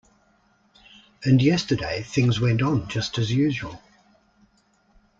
And yesterday things went on just as usual.